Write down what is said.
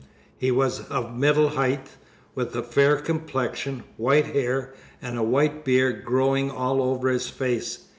He was of the middle height, with a fresh complexion, white hair, and a white beard growing all over his face.